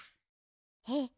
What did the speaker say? えっ。